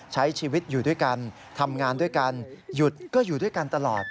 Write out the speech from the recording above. ใช้ชีวิตอยู่ด้วยกันทำงานด้วยกันหยุดก็อยู่ด้วยกันตลอด